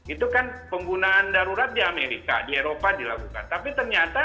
itu kan penggunaan darurat di amerika di eropa dilakukan tapi ternyata